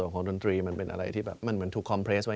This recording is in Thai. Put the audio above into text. ความอุ่มล้ำทีบห้างออกไป